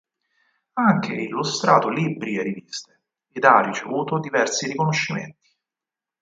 Ha anche illustrato libri e riviste, ed ha ricevuto diversi riconoscimenti.